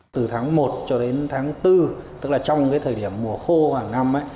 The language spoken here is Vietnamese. từ tháng một cho đến tháng bốn tức là trong cái thời điểm mùa khô hàng năm